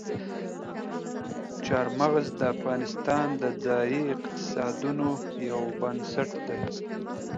چار مغز د افغانستان د ځایي اقتصادونو یو بنسټ دی.